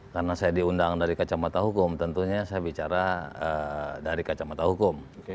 karena saya diundang dari kacamata hukum tentunya saya bicara dari kacamata hukum